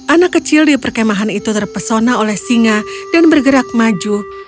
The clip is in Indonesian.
anak kecil di perkemahan itu terpesona oleh singa dan bergerak maju